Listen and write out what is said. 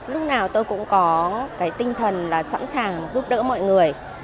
lúc nào tôi cũng có tinh thần sẵn sàng giúp đỡ mọi người